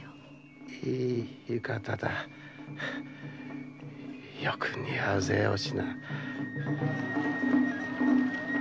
いい浴衣だ良く似合うぜお品。